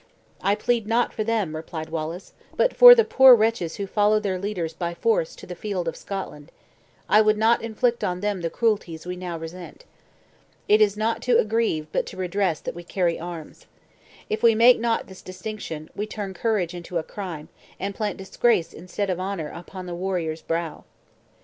"I plead not for them," replied Wallace, "but for the poor wretches who follow their leaders, by force, to the field of Scotland; I would not inflict on them the cruelties we now resent. It is not to aggrieve, but to redress, that we carry arms. If we make not this distinction, we turn courage into a crime; and plant disgrace, instead of honor, upon the warrior's brow."